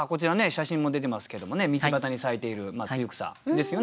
写真も出てますけども道端に咲いている露草ですよね。